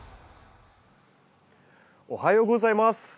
おはようございます。